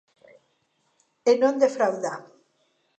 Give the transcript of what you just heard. E non defrauda.